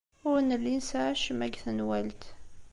Ur nelli nesɛa acemma deg tenwalt.